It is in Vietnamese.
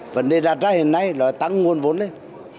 vấn đề đặt ra hiện nay là tăng nguồn vốn lên